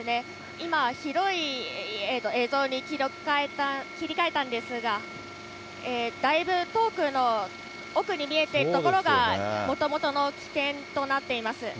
今、広い映像に切り替えたんですが、だいぶ遠くの、奥に見えている所が、もともとの起点となっています。